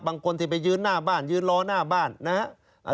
บางคนที่ไปยืนหน้าบ้านยืนรอหน้าบ้านนะครับ